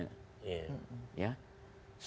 sebetulnya itu nggak harus